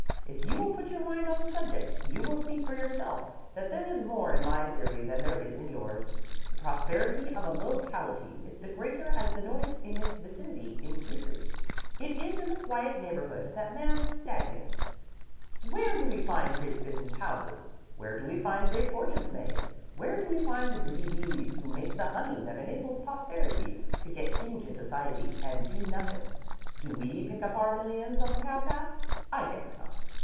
If you will put your mind on the subject, you will see for yourself that there is more in my theory than there is in yours. The prosperity of a locality is the greater as the noise in its vicinity increases. It is in the quiet neighborhood that man stagnates. Where do we find great business houses? Where do we find great fortunes made? Where do we find the busy bees who make the honey that enables posterity to get into Society and do nothing? Do we pick up our millions on the cowpath? I guess not.